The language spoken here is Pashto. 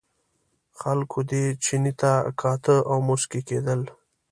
خلکو دې چیني ته کاته او مسکي کېدل.